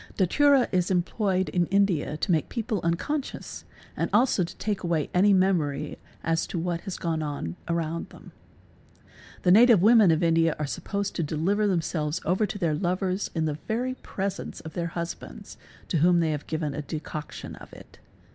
Datura is employed in India to make people unconscious and also to x ake away any memory as to what has gone on around them. +The native women of India are supposed to deliver themselves over Bes their lovers in the very presence of their husbands to whom they have Bo: yen a decoction of it.